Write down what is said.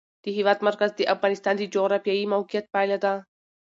د هېواد مرکز د افغانستان د جغرافیایي موقیعت پایله ده.